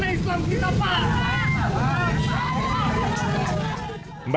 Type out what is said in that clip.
islam kita kemana islam kita apa